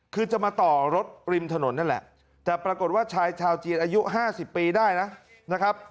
คือจะมาต่อรถริมถนนนั่นแหละแต่ปรากฏว่าชายชาวจีนอายุ๕๐ปีได้แล้วนะครับ